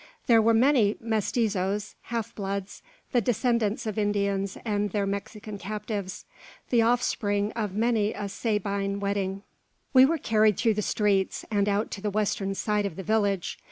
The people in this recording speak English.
There were many Mestizoes, half bloods, the descendants of Indians and their Mexican captives, the offspring of many a Sabine wedding. We were carried through the streets, and out to the western side of the village.